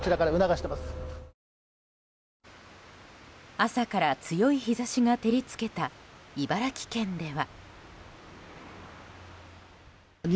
朝から強い日差しが照り付けた茨城県では。